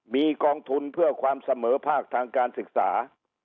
มีกองทุนเพื่อความเสมอภาคทางการศึกษา